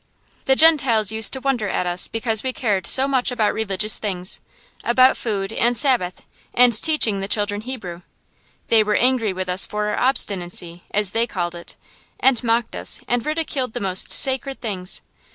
The Gentiles used to wonder at us because we cared so much about religious things, about food, and Sabbath, and teaching the children Hebrew. They were angry with us for our obstinacy, as they called it, and mocked us and ridiculed the most sacred things.